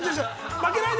負けないで。